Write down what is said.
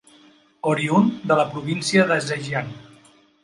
Oriünd de la província de Zhejiang.